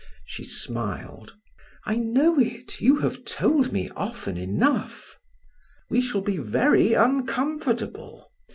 She smiled. "I know it, you have told me often enough." "We shall be very uncomfortable.